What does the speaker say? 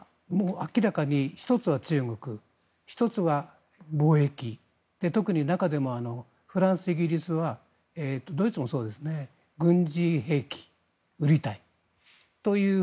明らかに１つは中国１つは貿易特に中でもフランス、イギリスはドイツもそうですね軍事兵器を売りたいという。